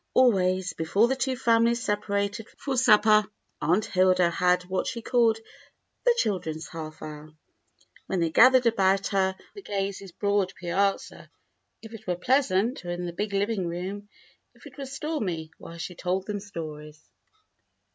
Always, before the two families separated for supper. Aunt Hilda had what she called "The Children's Half Hour," when they gathered about her on the Gays' broad piazza if it were pleasant, or in the big living room if it were stormy, while she told them stories.